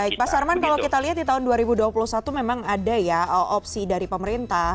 baik pak sarman kalau kita lihat di tahun dua ribu dua puluh satu memang ada ya opsi dari pemerintah